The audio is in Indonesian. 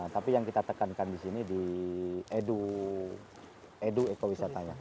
tapi yang kita tekankan di sini di edu ekowisatanya